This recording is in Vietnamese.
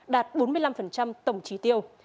đạt bốn mươi năm tổng trí tiêu